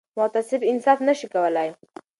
متعصب انصاف نه شي کولای